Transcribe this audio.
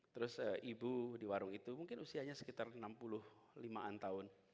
terus ibu di warung itu mungkin usianya sekitar enam puluh lima an tahun